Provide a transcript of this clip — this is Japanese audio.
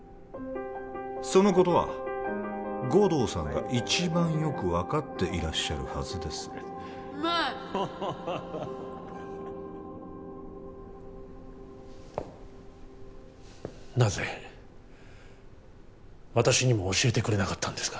そのことは護道さんが一番よく分かっていらっしゃるはずですうまいなぜ私にも教えてくれなかったんですか？